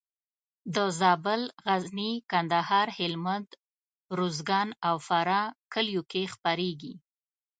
د زابل، غزني، کندهار، هلمند، روزګان او فراه کلیو کې خپرېږي.